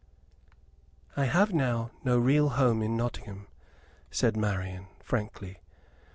"I have now no real home in Nottingham," said Marian, frankly.